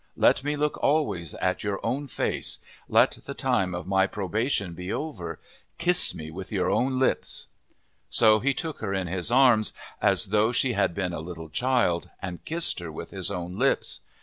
Let me look always at your own face. Let the time of my probation be over. Kiss me with your own lips." So he took her in his arms, as though she had been a little child, and kissed her with his own lips.